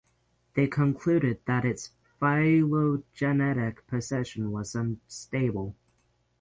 They concluded that its phylogenetic position was unstable.